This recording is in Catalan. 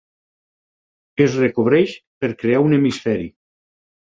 Es recobreix per crear un hemisferi.